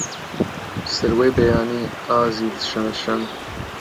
سروەی بەیانی، ئازیز شنە شن